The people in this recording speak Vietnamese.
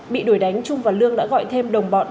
bị đuổi đánh trung và lương đã gọi thêm đồng bọn